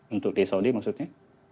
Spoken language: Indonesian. untuk di saudi maksudnya